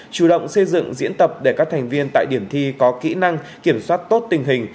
chủ động xây dựng diễn tập để các thành viên tại điểm thi có kỹ năng kiểm soát tốt tình hình